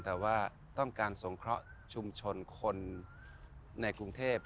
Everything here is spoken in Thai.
แต่ว่าต้องการสงเคราะห์ชุมชนคนในกรุงเทพ